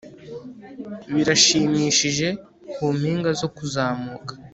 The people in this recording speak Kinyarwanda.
birashimishije, ku mpinga zo kuzamuka